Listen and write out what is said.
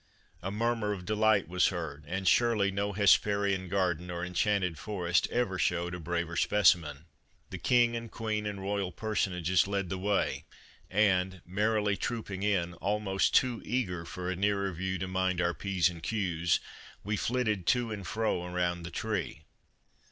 A murmur of de light was heard, and surely no Hesperian garden or enchanted forest ever showed a braver specimen. The King and Queen and royal personages led the way, and, merrily trooping in, almost too eager for a nearer view to mind our P's and Q's, we flitted to and fro around the tree.